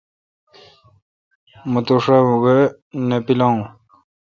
مہ توشا وہ نہ پلاون۔